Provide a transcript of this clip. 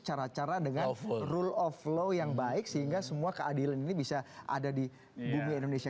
cara cara dengan rule of law yang baik sehingga semua keadilan ini bisa ada di bumi indonesia